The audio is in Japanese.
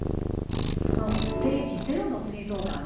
そのステージ０のすい臓がん